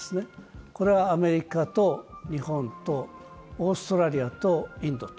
これはアメリカと日本とオーストラリアとインド。